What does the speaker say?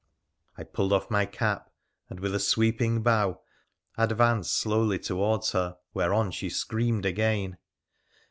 I pulled off my cap, and, with a sweeping bow, advanced slowly towards her, whereon she screamed again.